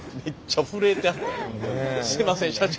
すいません社長。